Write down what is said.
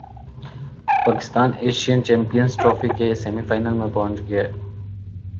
Pakistan Asian Champions Trophy کے semi final میں پہنچ گیا